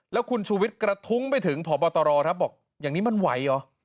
แล้วคุณชูวิทย์กระทุ้งไปถึงพบตรครับบอกอย่างนี้มันไหวเหรอ